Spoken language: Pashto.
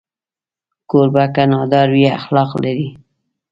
کوربه که نادار وي، اخلاق لري.